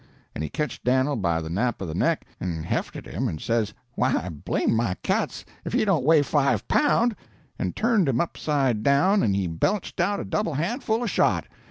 And he ketched Dan'l by the nap of the neck, and hefted him, and says, 'Why blame my cats if he don't weigh five pound!' and turned him upside down and he belched out a double handful of shot.